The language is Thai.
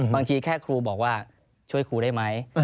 บางทีแค่ครูบอกว่าช่วยครูได้ไหม